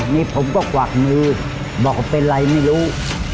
นี่ผมก็กวักมือบอกว่าเป็นไรไม่รู้